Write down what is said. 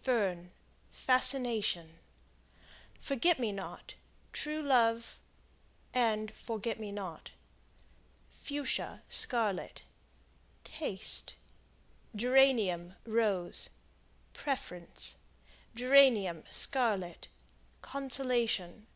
Fern Fascination. Forget me not True love, Forget me not. Fuschia, Scarlet Taste. Geranium, Rose Preference. Geranium, Scarlet Consolation.